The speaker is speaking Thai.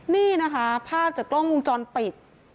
นี่นะคะภาพจากกล้องวงจรปิด